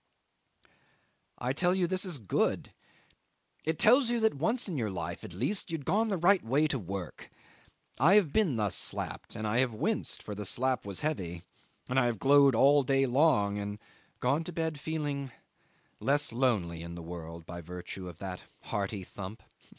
'I tell you this is good; it tells you that once in your life at least you had gone the right way to work. I have been thus slapped, and I have winced, for the slap was heavy, and I have glowed all day long and gone to bed feeling less lonely in the world by virtue of that hearty thump.